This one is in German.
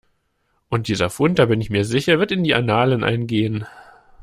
Und dieser Fund, da bin ich mir sicher, wird in die Annalen eingehen.